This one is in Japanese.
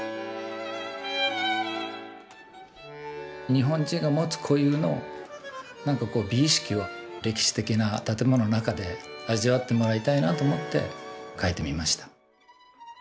日本人が持つ固有の美意識を歴史的な建物の中で味わってもらいたいなと思って描いてみました。